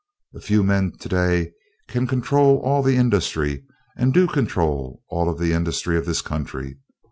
A few men today can control all the industry and do control all of the industry of this country.